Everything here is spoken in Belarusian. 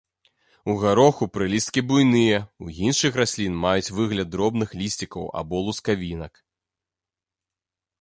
У гароху прылісткі буйныя, у іншых раслін маюць выгляд дробных лісцікаў або лускавінак.